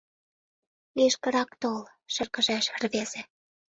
— Лишкырак тол, — шыргыжеш рвезе.